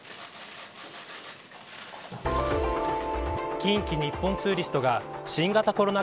近畿日本ツーリストが新型コロナ